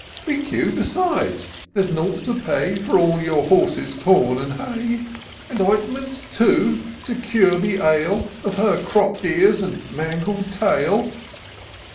" Think you besides, there's nought to pay For all your horse's com and hay ? And ointments, too, to cure the ail Of her cropp'd ears and mangled tail?"